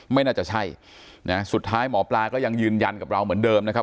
ไม่น่าจะใช่นะสุดท้ายหมอปลาก็ยังยืนยันกับเราเหมือนเดิมนะครับ